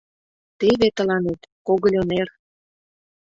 — Теве тыланет, когыльо нер!